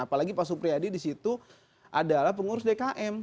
apalagi pak supriyadi di situ adalah pengurus dkm